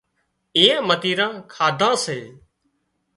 ايئانئي متيران ڪاڌان سي